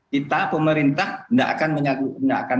kita pemerintah enggak akan